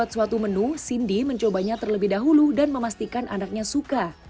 suatu menu cindy mencobanya terlebih dahulu dan memastikan anaknya suka